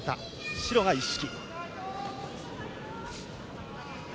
白が一色。